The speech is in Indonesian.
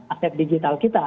aset digital kita